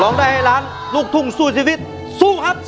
ได้ให้ล้านลูกทุ่งสู้ชีวิตสู้ครับ